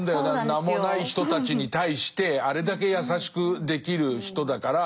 名もない人たちに対してあれだけ優しくできる人だから。